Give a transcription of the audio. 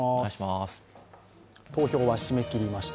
投票は締め切りました。